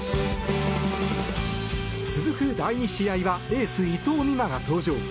続く第２試合はエース、伊藤美誠が登場。